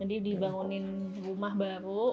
jadi dibangunin rumah baru